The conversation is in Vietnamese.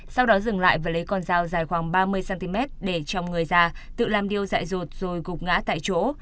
sau đó dừng lại và lấy con dao dài khoảng ba mươi cm để trong người già tự làm điêu dạy rột rồi gục ngã tại chỗ